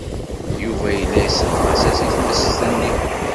Yuba yella yessenqas-as i tmes-nni.